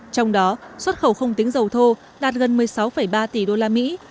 trong đó xuất khẩu không tính dầu thô đạt gần một mươi sáu ba tỷ usd